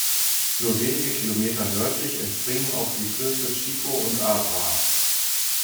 Nur wenige Kilometer nördlich entspringen auch die Flüsse Chico und Abra.